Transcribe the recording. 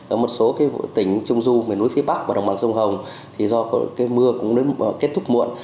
ở một số tỉnh trung du nguyên núi phía bắc và đồng bằng dung hồng thì do cái mưa cũng kết thúc muộn